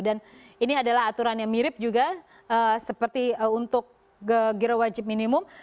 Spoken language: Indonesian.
dan ini adalah aturan yang mirip juga seperti untuk giro wajib minimum